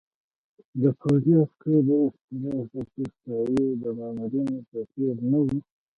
د پوځي عسکرو اخلاق د ګوستاپو د مامورینو په څېر نه وو